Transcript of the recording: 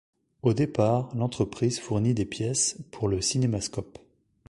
Au départ, l'entreprise fournit des pièces pour le CinemaScope.